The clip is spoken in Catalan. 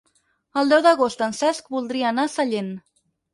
El deu d'agost en Cesc voldria anar a Sallent.